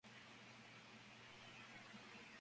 Francisco Beiró, Av.